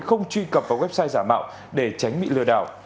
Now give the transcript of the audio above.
không truy cập vào website giả mạo để tránh bị lừa đảo